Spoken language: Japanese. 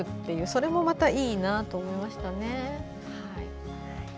それもまた、いいなと思いました。